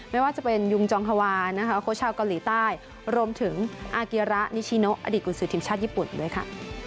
ไม่ว่าจะเป็นยุงจองฮาวานะคะโค้ชชาวเกาหลีใต้รวมถึงอาเกียระนิชิโนอดีตกุศือทีมชาติญี่ปุ่นด้วยค่ะ